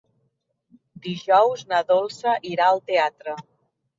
Dijous na Dolça irà al teatre.